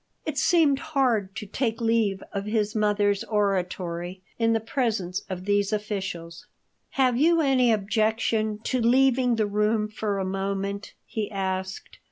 It seemed hard to take leave of his mother's oratory in the presence of these officials. "Have you any objection to leaving the room for a moment?" he asked.